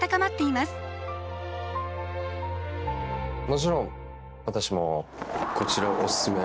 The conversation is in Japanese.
もちろん私もこちらをおすすめ。